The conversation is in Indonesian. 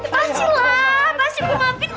pasti lah pasti memaafin lu